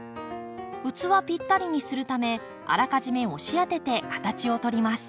器ぴったりにするためあらかじめ押し当てて形を取ります。